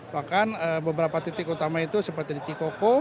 bahkan beberapa titik utama itu seperti di cikoko